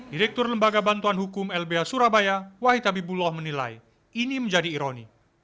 direktur lembaga bantuan hukum lbh surabaya wahid habibullah menilai ini menjadi ironi